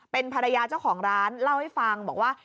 เป็นภรรยาเจ้าของร้านเล่าให้ฟังบอกว่า